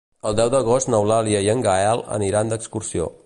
El deu d'agost n'Eulàlia i en Gaël aniran d'excursió.